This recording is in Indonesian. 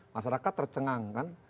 masyarakat tercengang kan